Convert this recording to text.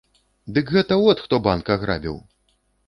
Дык гэта от хто банк аграбіў!